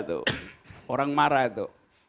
orang marah itu